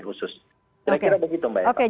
khusus kira kira begitu mbak eva